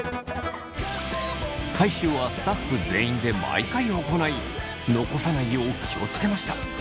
回収はスタッフ全員で毎回行い残さないよう気を付けました。